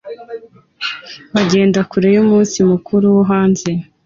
bagenda kure yumunsi mukuru wo hanze